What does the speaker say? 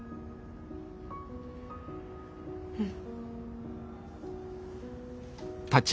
うん。